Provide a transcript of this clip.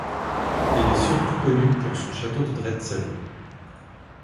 Il est surtout connu pour son château de Dretzel.